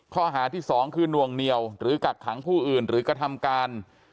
ข้อหาที่๒คือนวงเหนียวหรือกักขังผู้อื่นหรือกระทำการ